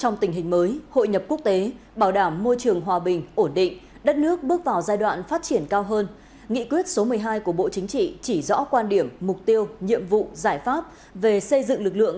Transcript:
nghị quyết số một mươi hai của bộ chính trị đẩy mạnh xây dựng lực lượng công an nhân dân